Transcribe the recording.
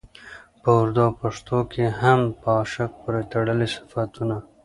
په اردو او پښتو کې هم په عاشق پورې تړلي صفتونه